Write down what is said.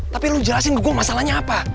tapi lo jelasin gue masalahnya apa